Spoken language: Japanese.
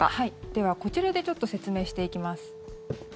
ではこちらで説明していきます。